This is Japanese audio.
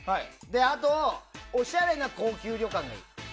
あとおしゃれな高級旅館がいい。